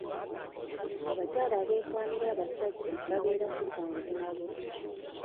Abakyala abeekwanira abasajja babeera si bangu nabo.